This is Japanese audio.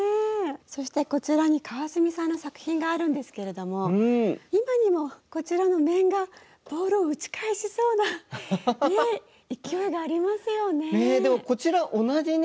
そしてこちらに川住さんの作品があるんですけれども今にもこちらの面がボールを打ち返しそうな勢いがありますよね。